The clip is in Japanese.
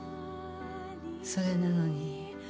それなのに。